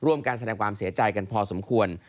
การแสดงความเสียใจกันพอสมควร